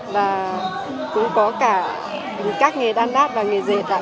và cũng có cả các nghề đan đát và nghề dễ dàng